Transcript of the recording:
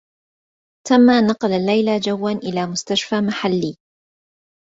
تمّ نقل ليلى جوّا إلى مستشفى محلّي.